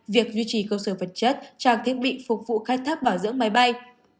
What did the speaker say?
việc duy trì cơ sở vật chất trang thiết bị phục vụ khai thác bảo dưỡng máy bay